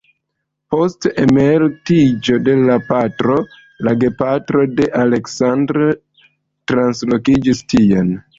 Post emeritiĝo de la patro, la gepatroj de Aleksandr translokiĝis tien.